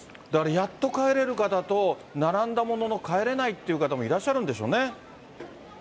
やっと帰れる方と、並んだものの帰れないっていう方もいらっしゃるんでしょうね。